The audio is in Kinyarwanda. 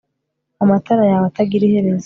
Amatara yawe atagira iherezo